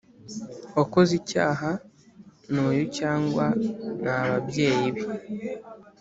Wakoze Icyaha Ni Uyu Cyangwa Ni Ababyeyi Be